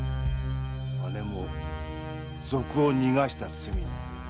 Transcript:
姉も賊を逃がした罪で。